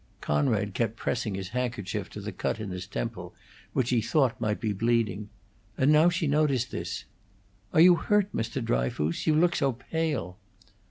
Conrad kept pressing his handkerchief to the cut in his temple, which he thought might be bleeding, and now she noticed this. "Are you hurt, Mr. Dryfoos? You look so pale."